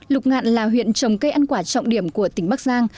lục ngạn là huyện trồng cây ăn quả trọng điểm của tỉnh bắc giang